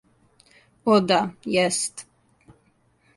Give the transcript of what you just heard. О да, јест.